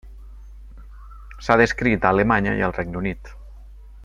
S'ha descrit a Alemanya i al Regne Unit.